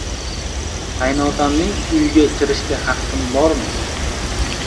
Qaynotamning uyiga kirishga haqqim bormi?